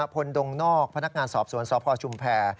พลดงนอกพนักงานสอบสวนสพชุมแพร